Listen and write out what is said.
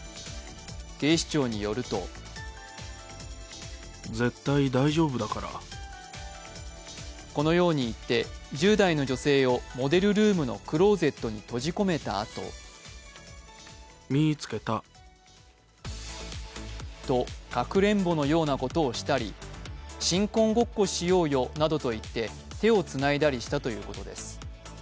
警視庁によるとこのように言って１０代の女性をモデルルームのクローゼットに閉じ込めたあとと、かくれんぼのようなことをしたり新婚ごっこしようよなどと言って手をつないだりしたということです。